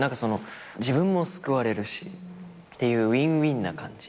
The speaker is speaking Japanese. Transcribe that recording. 自分も救われるし。っていうウィンウィンな感じ。